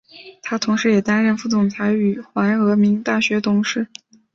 他同时也担任副总裁与怀俄明大学董事。